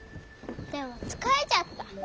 でも疲れちゃった。